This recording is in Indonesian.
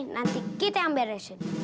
nanti kita yang beresin